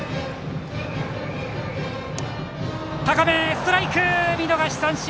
ストライク、見逃し三振！